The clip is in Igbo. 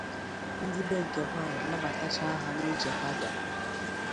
ndị be nke nwaanyị nabatachaa ha na ije ha bịara